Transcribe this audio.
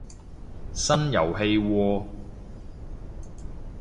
新遊戲喎